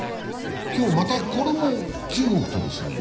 今日また、これも中国とですね。